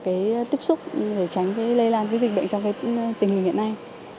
cái tiếp xúc để tránh lây lan dịch bệnh trong tình hình hiện nay